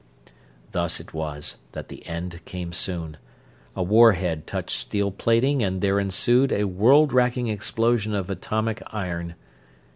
Thus it was that the end came soon. A war head touched steel plating and there ensued a world wracking explosion of atomic iron.